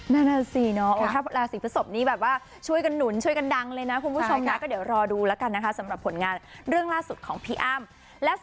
นั่นน่ะสิเนาะถ้าราศีพฤศพนี้แบบว่าช่วยกันหนุนช่วยกันดังเลยนะคุณผู้ชมนะก็เดี๋ยวรอดูแล้วกันนะคะสำหรับผลงานเรื่องล่าสุดของพี่อ้ำ